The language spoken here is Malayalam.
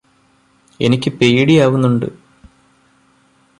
എനിക്ക് പേടിയാവുന്നുണ്ട്